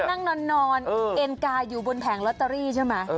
นั่งนอนเอ็นกาอยู่บนแผงลอตเตอรี่ใช่ไหม